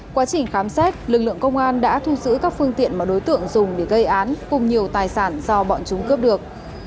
quá trình khám xét lực lượng công an đã thu giữ các phương tiện mà đối tượng dùng để gây án cùng nhiều tài sản do bọn chúng cướp được